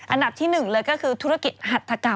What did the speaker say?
อันดับที่๑เลยก็คือธุรกิจหัตถกรรม